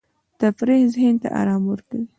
تفریح ذهن ته آرام ورکوي.